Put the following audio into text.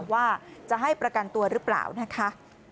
ว่าจะให้ประกันตัวหรือเปล่านะคะ